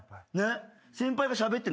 先輩がしゃべって。